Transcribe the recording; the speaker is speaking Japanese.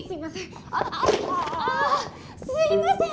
すいません。